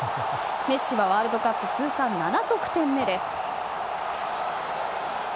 メッシはワールドカップ通算７得点目です。